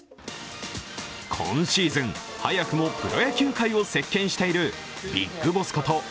今シーズン、早くもプロ野球界を席けんしているビッグボスこと